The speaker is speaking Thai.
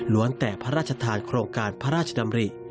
แต่พระราชทานโครงการพระราชดำริ